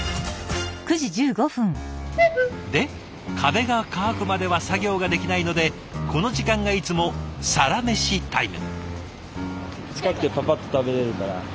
で壁が乾くまでは作業ができないのでこの時間がいつもサラメシタイム。